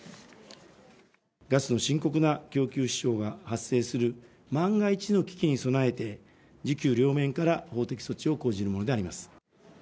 ガスの深刻な供給支障が発生する万が一の危機に備えて、需給両面から法的措置を講じるものであります。